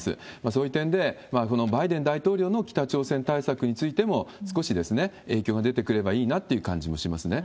そういう点で、このバイデン大統領の北朝鮮対策についても、少し影響が出てくればいいなという感じもしますね。